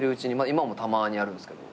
今もたまにやるんですけど。